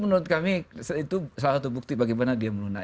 menurut kami itu salah satu bukti bagaimana dia menunda